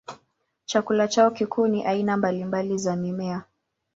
Chakula chao kikuu ni aina mbalimbali za mimea.